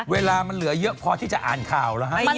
เวลามันเหลือเยอะพอที่จะอ่านข่าวแล้วฮะ